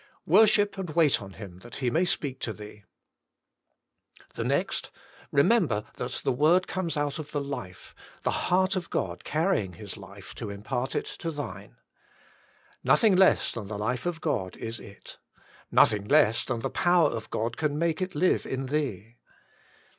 Worship and wait on Him that He may speak to thee. The next: Eemember that the word comes out of the life, the heart of God carrying His life to impart it to thine. Nothing less than the life of God is it: nothing less than the power of God can make it live in thee.